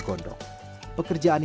segeri tidak menyenangkan